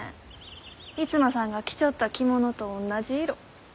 逸馬さんが着ちょった着物と同じ色。